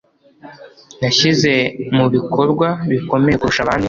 Nashyize mubikorwa bikomeye kurusha abandi.